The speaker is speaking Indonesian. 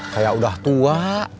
saya udah tua